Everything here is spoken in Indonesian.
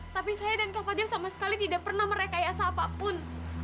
tapi saya dan kak fadil sama sekali tidak pernah merekayasa apapun